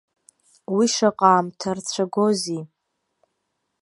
Уи шаҟа аамҭа рцәагози.